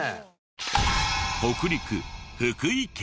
北陸福井県。